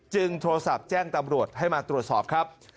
โทรศัพท์แจ้งตำรวจให้มาตรวจสอบครับ